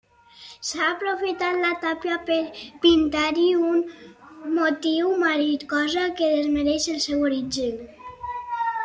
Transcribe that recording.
S'ha aprofitat la tàpia per pintar-hi un motiu marí, cosa que desmereix el seu origen.